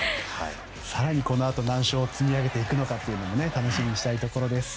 更にこのあと何勝を積み上げていくのかも楽しみにしたいところです。